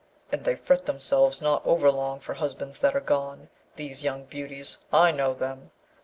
'' And they fret themselves not overlong for husbands that are gone, these young beauties. I know them.